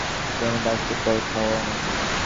কোনো বাস্কেটবল খেলোয়ার নাকি?